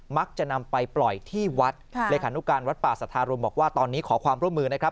มักจะนำไปปล่อยที่วัดเลขานุการวัดป่าสัทธารมบอกว่าตอนนี้ขอความร่วมมือนะครับ